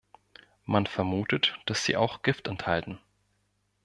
Man vermutet, dass sie auch Gift enthalten.